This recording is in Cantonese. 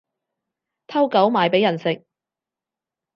偷狗賣畀人食